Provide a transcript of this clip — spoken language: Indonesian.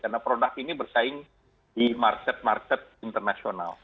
karena produk ini bersaing di market market internasional